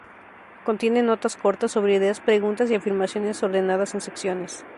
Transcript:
Contiene notas cortas sobre ideas, preguntas y afirmaciones ordenadas en secciones.